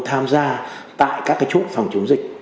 tham gia tại các cái chốt phòng chống dịch